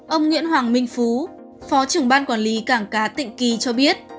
ông nguyễn hoàng minh phú phó trưởng ban quản lý cảng cá tịnh kỳ cho biết